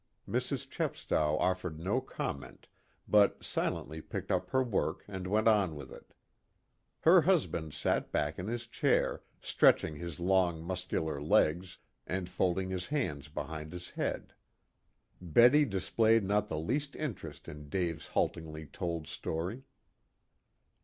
Mrs. Chepstow offered no comment, but silently picked up her work and went on with it. Her husband sat back in his chair, stretching his long muscular legs, and folding his hands behind his head. Betty displayed not the least interest in Dave's haltingly told story.